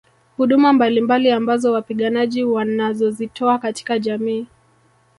Huduma mbalimbali ambazo wapiganaji wanazozitoa katika jamii